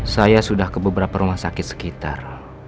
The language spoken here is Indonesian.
saya sudah ke beberapa rumah sakit sekitar